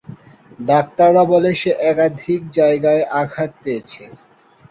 ডাক্তাররা বলে সে একাধিক জায়গায় আঘাত পেয়েছে।